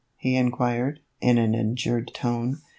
" he inquired, in an injured tone.